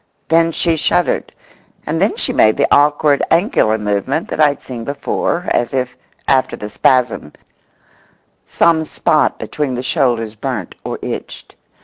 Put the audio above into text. Then she shuddered, and then she made the awkward angular movement that I had seen before, as if, after the spasm, some spot between the shoulders burnt or itched.